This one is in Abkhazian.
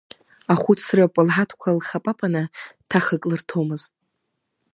Ахәыцра пылҳаҭқәа лхапапаны, ҭахак лырҭомызт…